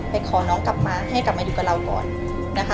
ขอน้องกลับมาให้กลับมาอยู่กับเราก่อนนะคะ